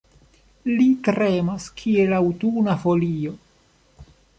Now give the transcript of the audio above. Li tremas, kiel aŭtuna folio.